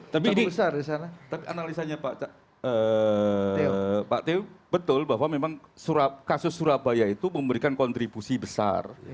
tapi ini analisanya pak teo betul bahwa memang kasus surabaya itu memberikan kontribusi besar